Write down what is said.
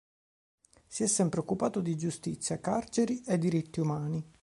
Si è sempre occupato di giustizia, carceri e diritti umani.